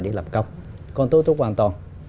đi lập cọc còn tôi tôi hoàn toàn